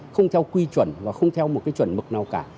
không theo quy chuẩn và không theo một cái chuẩn mực nào cả